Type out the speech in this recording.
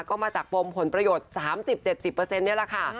ก็มาจากปมผลประโยชน์๓๐๗๐นี่แหละค่ะ